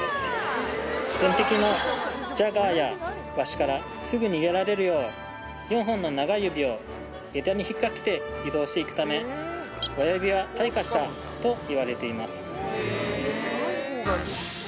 天敵のジャガーやワシからすぐ逃げられるよう４本の長い指を枝に引っかけて移動していくため親指は退化したといわれています